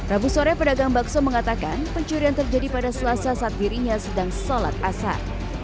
rabu sore pedagang bakso mengatakan pencurian terjadi pada selasa saat dirinya sedang sholat asar